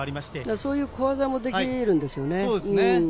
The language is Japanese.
そういう小技もできるんですよね。